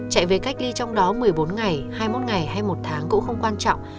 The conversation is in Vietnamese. chạy về cách ly trong đó một mươi bốn ngày hai mươi một ngày hay một tháng cũng không quan trọng